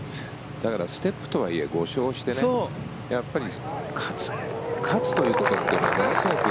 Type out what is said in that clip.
ステップとはいえ５勝してやっぱり勝つということはものすごく。